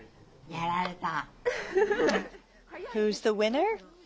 やられた。